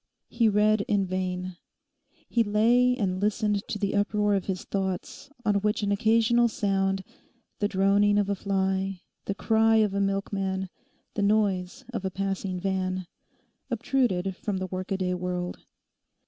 He read in vain. He lay and listened to the uproar of his thoughts on which an occasional sound—the droning of a fly, the cry of a milkman, the noise of a passing van—obtruded from the workaday world.